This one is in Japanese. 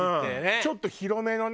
ちょっと広めのね